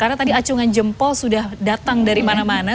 karena tadi acungan jempol sudah datang dari mana mana